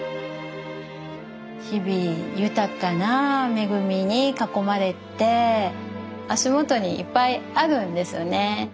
日々豊かな恵みに囲まれて足元にいっぱいあるんですよね。